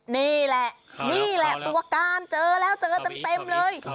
นี่แหละนี่แหละตัวการเจอแล้วเจอเต็มเลย